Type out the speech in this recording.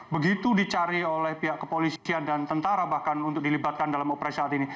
begitu dicari oleh pihak kepolisian dan tentara bahkan untuk dilibatkan dalam operasi saat ini